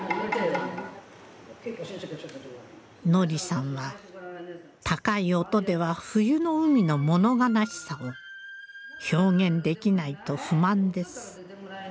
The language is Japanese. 乃莉さんは高い音では冬の海の物悲しさを表現できないと不満です。